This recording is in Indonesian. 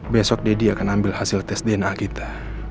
besok deddy akan ambil hasil tes dna kita